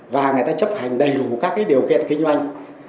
và người ta chấp hành đầy đủ các điều kiện kinh doanh